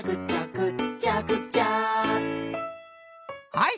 はい！